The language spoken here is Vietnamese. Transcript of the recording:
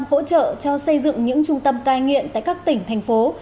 hỗ trợ cho xây dựng những trung tâm cai nghiện tại các tỉnh thành phố